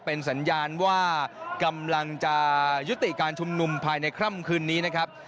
เป็นสัญญาณว่ากำลังจะยุติการชุมนุมภายในค่ำคืนนี้นะครับ